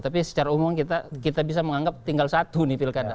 tapi secara umum kita bisa menganggap tinggal satu nih pilkada